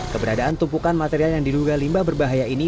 keberadaan tumpukan material yang diduga limbah berbahaya ini